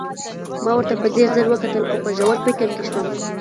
ما ورته په ځیر ځير وکتل او په ژور فکر کې شوم